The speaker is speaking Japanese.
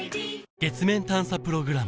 月面探査プログラム